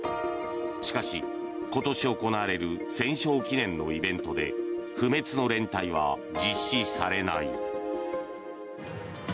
しかし、今年行われる戦勝記念のイベントで不滅の連隊は実施されない。